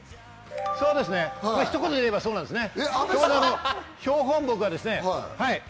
そうですね、ひと言で言えばそうなんですね。